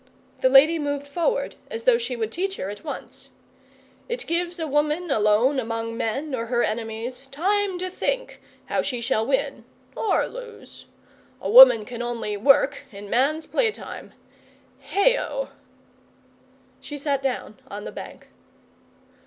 The lady moved forward as though she would teach her at once. 'It gives a woman alone among men or her enemies time to think how she shall win or lose. A woman can only work in man's play time. Heigho!' She sat down on the bank.